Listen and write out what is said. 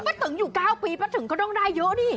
ประตึงอยู่เก้าปีประตึงก็ต้องได้เยอะนี่